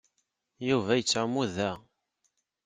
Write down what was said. Yuba yettɛummu da.